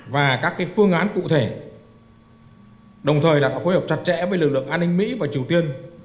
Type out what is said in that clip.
và các phương án cụ thể đồng thời là có phối hợp chặt chẽ với lực lượng an ninh mỹ và triều tiên